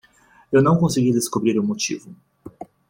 Eu não consegui descobrir o motivo.